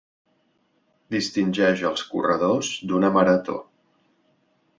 Distingeix els corredors d'una marató.